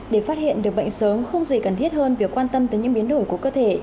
để phát hiện được bệnh sớm không gì cần thiết hơn việc quan tâm tới những biến đổi của cơ thể